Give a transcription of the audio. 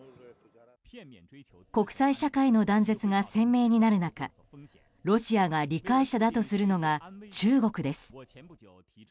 国際社会の断絶が鮮明になる中ロシアが理解者だとするのが中国です。